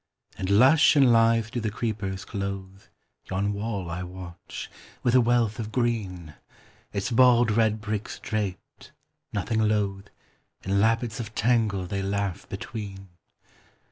And lush and lithe do the creepers clothe Yon wall I watch, with a wealth of green: Its bald red bricks draped, nothing loath, In lappets of tangle they laugh between.